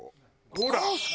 ほら！